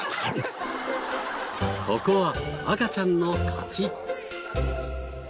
ここは赤ちゃんの勝ち。